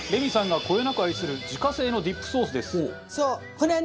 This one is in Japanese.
これはね